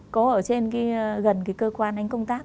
cô ở gần cơ quan anh công tác